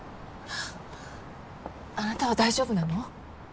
あなたは大丈夫なの？